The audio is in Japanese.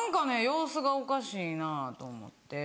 様子がおかしいなと思って。